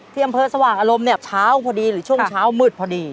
ที่อำเภอสว่างอารมณ์เนี่ยเช้าพอดีหรือช่วงเช้ามืดพอดี